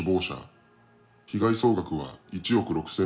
被害総額は１億６，０００万円。